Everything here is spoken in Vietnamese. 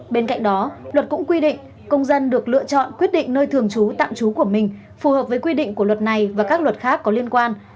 bên cạnh đó luật cũng quy định công dân được lựa chọn quyết định nơi thường trú tạm trú của mình phù hợp với quy định của luật này và các luật khác có liên quan